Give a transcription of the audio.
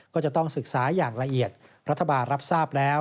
ก็จะต้องศึกษาอย่างละเอียดรัฐบาลรับทราบแล้ว